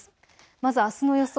まず、あすの予想